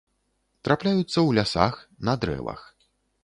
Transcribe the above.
Трапляюцца ў лясах на дрэвах.